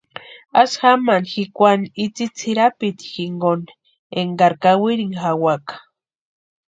Asï jamani jikwani itsï tsʼïrapiti jinkoni enkari kawirini jawaka.